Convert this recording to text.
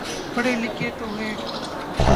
پڑھے لکھے تو ہیں۔